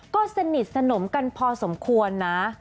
ก็สนิทสนมกันพอสมควรนะ